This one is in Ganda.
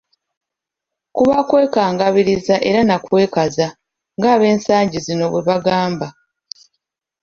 Kuba kwekangabiriza era na kwekaza, nga ab'ensangi zino bwe bagamba .